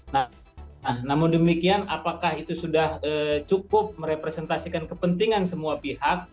nah namun demikian apakah itu sudah cukup merepresentasikan kepentingan semua pihak